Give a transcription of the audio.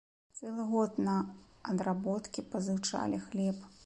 Цэлы год на адработкі пазычалі хлеб.